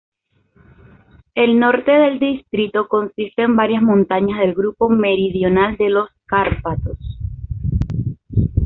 El norte del distrito consiste en varias montañas del grupo meridional de los Cárpatos.